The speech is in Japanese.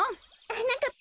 はなかっ